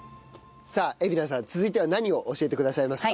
さあ海老名さん続いては何を教えてくださいますか？